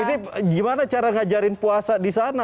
ini gimana cara ngajarin puasa di sana